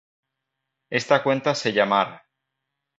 esta cuenta se llamar